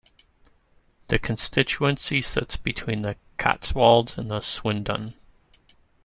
The constituency sits between the Cotswolds and Swindon.